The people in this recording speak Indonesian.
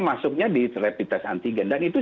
masuknya di terapitas anti gendang itu